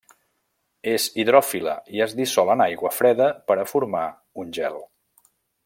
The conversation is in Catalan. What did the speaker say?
És hidròfila i es dissol en aigua freda per a formar un gel.